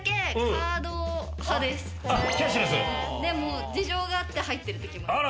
でも事情があって入ってるときもある。